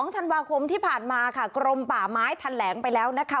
ธันวาคมที่ผ่านมาค่ะกรมป่าไม้แถลงไปแล้วนะคะ